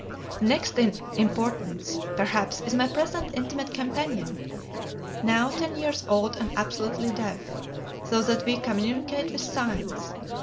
"Next in importance, perhaps, is my present intimate companion, now ten years old and absolutely deaf, so that we communicate with signs.